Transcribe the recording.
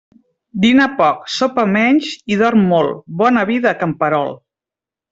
Dina poc, sopa menys i dorm molt, bona vida, camperol.